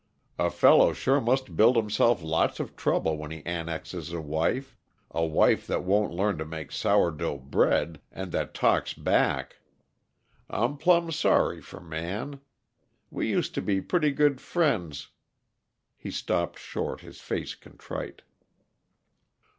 "A fellow sure must build himself lots of trouble when he annexes a wife a wife that won't learn to make sour dough bread, and that talks back. I'm plumb sorry for Man. We used to be pretty good friends " He stopped short, his face contrite.